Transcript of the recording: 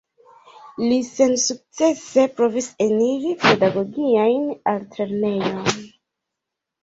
Li sensukcese provis eniri Pedagogian Altlernejon.